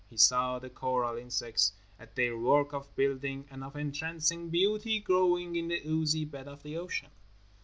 He saw the coral insects at their work of building, and of entrancing beauty growing in the oozy bed of the ocean.